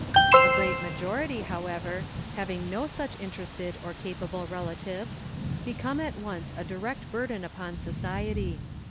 A great majority, however, having no such interested or capable relatives, become at once a direct burden upon society.